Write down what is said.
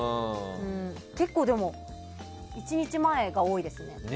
結構、でも１日前が多いですね。